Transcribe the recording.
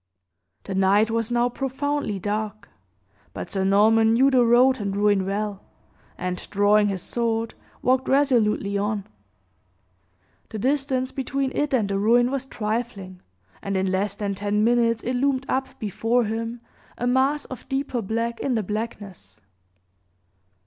The night was now profoundly dark; but Sir Norman knew the road and ruin well, and, drawing his sword, walked resolutely on. The distance between it and the ruin was trifling, and in less than ten minutes it loomed up before him, a mass of deeper black in the blackness.